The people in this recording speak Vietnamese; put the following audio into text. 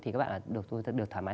thì các bạn là được thoải mái